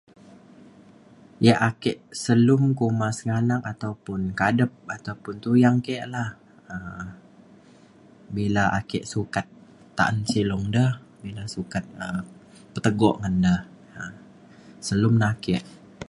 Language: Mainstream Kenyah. yak ake selum kuma sengganak ataupun kadep ataupun tuyang ke la um bila ake sukat ta’an silong de bila sukat petegok ngan de um selum na ake